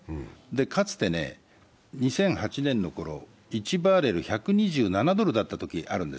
かつてね、２００８年のころ、１バレル＝１２７ドルだったときがあるんです。